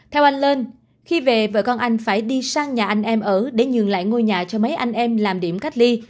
theo anh lên khi về vợ con anh phải đi sang nhà anh em ở để nhường lại ngôi nhà cho mấy anh em làm điểm cách ly